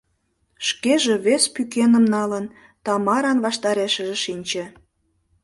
Шкеже, вес пӱкеным налын, Тамаран ваштарешыже шинче.